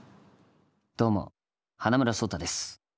どうも花村想太です。